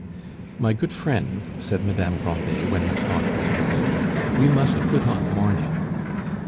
"My good friend," said Madame Grandet, when the cloth was removed, "we must put on mourning."